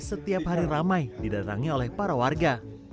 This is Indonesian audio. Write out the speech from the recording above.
setiap hari ramai didatangi oleh para warga